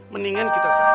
mendingan kita sama